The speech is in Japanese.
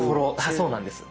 そうなんです。